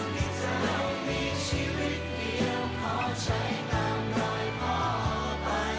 เรามีชีวิตเดียวขอใช้ตามรอยความไป